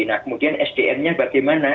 nah kemudian sdm nya bagaimana